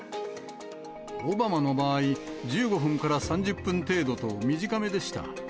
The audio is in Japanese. オバマの場合、１５分から３０分程度と短めでした。